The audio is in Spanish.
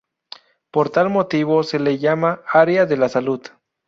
Por tal motivo se le llama Área de la Salud.